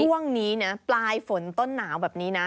ช่วงนี้นะปลายฝนต้นหนาวแบบนี้นะ